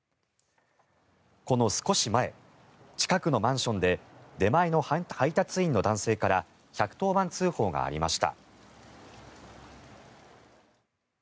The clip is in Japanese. この少し前、近くのマンションで出前の配達員の男性から１１０番通報がありました。